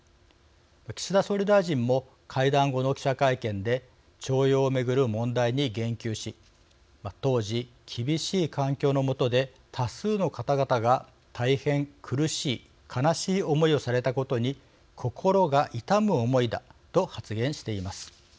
岸田総理大臣も会談後の記者会見で徴用を巡る問題に言及し「当時、厳しい環境の下で多数の方々が大変、苦しい悲しい思いをされたことに心が痛む思いだ」と発言しています。